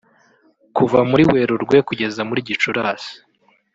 Kuva muri Werurwe kugeza muri Gicurasi